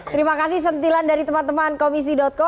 terima kasih sentilan dari teman teman komisi co